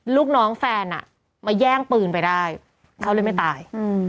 ลูกน้องแฟนอ่ะมาแย่งปืนไปได้เขาเลยไม่ตาย